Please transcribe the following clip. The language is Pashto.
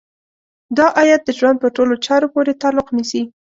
دا ايت د ژوند په ټولو چارو پورې تعلق نيسي.